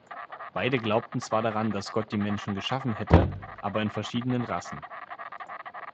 Beide glaubten zwar daran, dass Gott die Menschen geschaffen hätte, aber in verschiedenen Rassen.